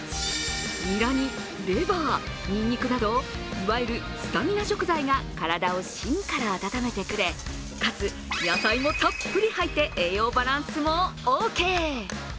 にらにレバー、にんにくなどいわゆるスタミナ食材が体を芯から温めてくれかつ、野菜もたっぷり入って栄養バランスもオーケー。